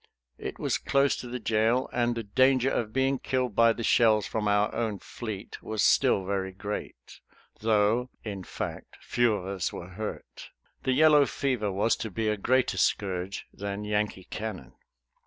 It was close to the jail, and the danger of being killed by the shells from our own fleet was still very great, though, in fact, few of us were hurt. The yellow fever was to be a greater scourge than Yankee cannon.